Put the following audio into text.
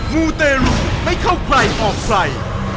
มูลเตรียมไม่เข้าใกล้ออกใส่